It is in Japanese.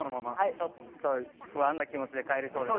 ちょっと不安な気持ちで帰りそうです。